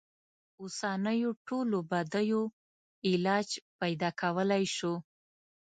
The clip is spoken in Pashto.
اوسنیو ټولو بدیو علاج پیدا کولای شو.